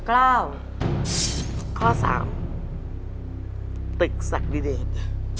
ข้อ๓ตึกศักดิเดต